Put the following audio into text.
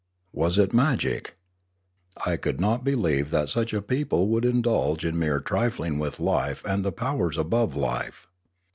Was it magic ? I could not believe that such a people would indulge in mere trifling with life and the powers above life.